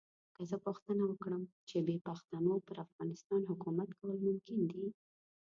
که زه پوښتنه وکړم چې بې پښتنو پر افغانستان حکومت کول ممکن دي.